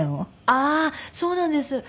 ああーそうなんです。